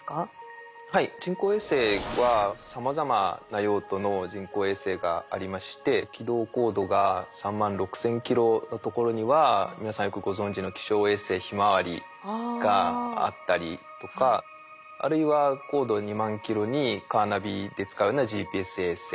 はい人工衛星はさまざまな用途の人工衛星がありまして軌道高度が３万６，０００ｋｍのところには皆さんよくご存じの気象衛星ひまわりがあったりとかあるいは高度２万ｋｍにカーナビで使うようなＧＰＳ衛星。